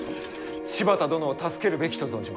柴田殿を助けるべきと存じます。